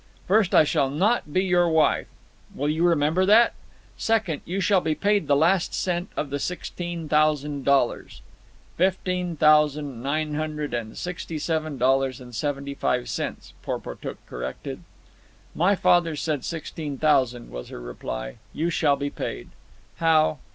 "First I shall not be your wife. Will you remember that? Second, you shall be paid the last cent of the sixteen thousand dollars—" "Fifteen thousand nine hundred and sixty seven dollars and seventy five cents," Porportuk corrected. "My father said sixteen thousand," was her reply. "You shall be paid." "How?"